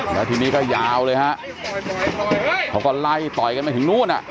แล้วทีนี้ก็ยาวเลยฮะเขาก็ไล่ต่อยกันไปถึงนู่นอ่ะ